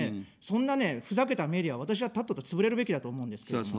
そんなね、ふざけたメディアは、私はとっとと潰れるべきだと思うんですけれども。